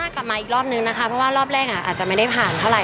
กลับมาอีกรอบนึงนะคะเพราะว่ารอบแรกอาจจะไม่ได้ผ่านเท่าไห